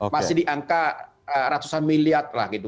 masih di angka ratusan miliar lah gitu